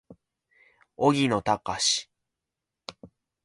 荻野貴司